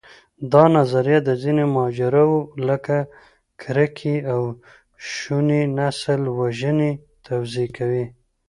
دا نظریه د ځینو ماجراوو، لکه کرکې او شونې نسلوژنې توضیح کوي.